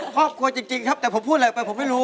ครอบครัวจริงครับแต่ผมพูดอะไรออกไปผมไม่รู้